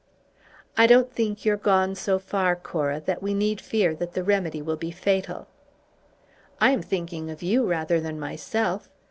"I don't think you're gone so far, Cora, that we need fear that the remedy will be fatal." "I am thinking of you rather than myself.